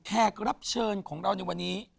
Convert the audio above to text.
แขกรับเชิญของเราในวันนี้